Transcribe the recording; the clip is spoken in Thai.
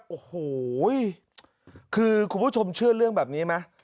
โอ้โหคือคุณผู้ชมเชื่อเรื่องแบบนี้ไหม